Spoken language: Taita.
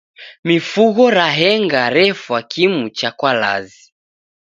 Mifugho raenga refwa kimu cha kwalazi.